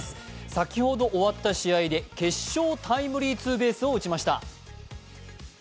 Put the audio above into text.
先ほど終わった試合で決勝タイムリーツーベースを打ちました。